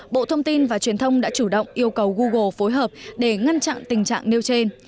bộ thông tin và truyền thông đã chủ động yêu cầu google phối hợp để ngăn chặn tình trạng nêu trên